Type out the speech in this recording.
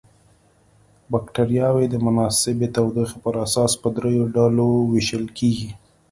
بکټریاوې د مناسبې تودوخې پر اساس په دریو ډلو ویشل کیږي.